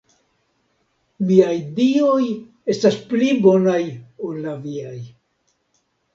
Miaj Dioj estas pli bonaj ol la viaj.